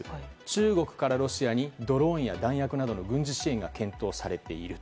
中国からロシアにドローンや弾薬などの軍事支援が検討されている。